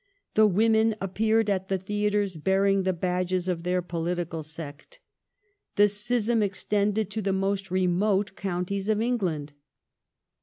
The women appeared at the theatres bearing the badges of their political sect. The schism extended to the most remote counties of England.'